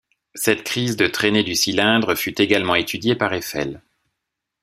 Cette crise de traînée du cylindre fut également étudiée par Eiffel.